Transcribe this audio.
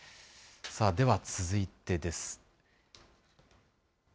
では続いてです。